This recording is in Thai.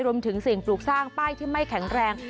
สิ่งปลูกสร้างป้ายที่ไม่แข็งแรง